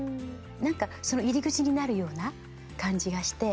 なんか、その入り口になるような感じがして。